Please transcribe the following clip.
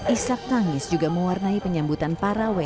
ishak tangis juga mewarnai penyambutan para wni ini